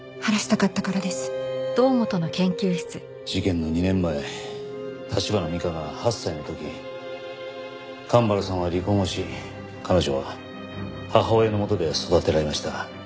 事件の２年前橘美加が８歳の時神原さんは離婚をし彼女は母親のもとで育てられました。